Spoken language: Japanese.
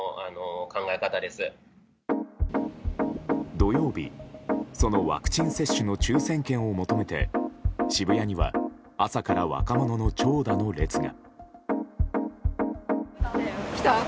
土曜日、そのワクチン接種の抽選券を求めて渋谷には朝から若者の長蛇の列が。